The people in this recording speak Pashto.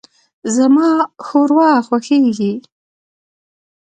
زما ښوروا خوښیږي.